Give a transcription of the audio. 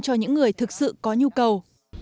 cho những người thực sự có nhu cầu